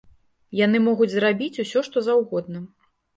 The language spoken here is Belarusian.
Яны могуць зрабіць усё што заўгодна.